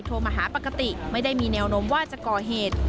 โทรมาหาปกติไม่ได้มีแนวโน้มว่าจะก่อเหตุ